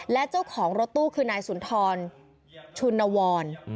และเจ้าของรถตู้คือนายสุนทรชุนวร